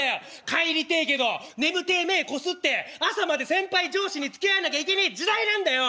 帰りてえけど眠てえ目ぇこすって朝まで先輩上司につきあわなきゃいけねえ時代なんだよ！